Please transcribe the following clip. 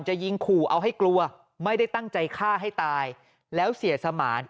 จะยิงขู่เอาให้กลัวไม่ได้ตั้งใจฆ่าให้ตายแล้วเสียสมาน